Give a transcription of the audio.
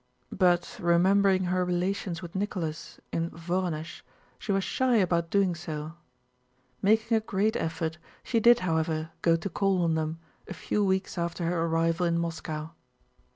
But remembering her relations with Nicholas in Vorónezh she was shy about doing so. Making a great effort she did however go to call on them a few weeks after her arrival in Moscow.